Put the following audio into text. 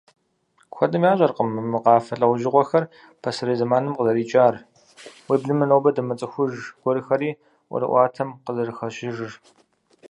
Куэдым ящӏэркъым мы къафэ лӏэужьыгъуэхэр пасэрей зэманым къызэрикӏар, уеблэмэ нобэ дымыцӏыхуж гуэрхэри ӏуэрыӏуатэм къызэрыхэщыжыр.